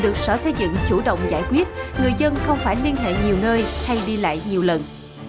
được sở xây dựng chủ động giải quyết người dân không phải liên hệ nhiều nơi hay đi lại nhiều lần